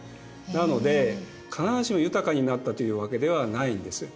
なので必ずしも豊かになったというわけではないんです。